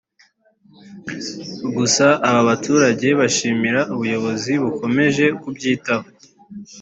Gusa aba baturage bashimira ubuyobozi bukomeje kubyitaho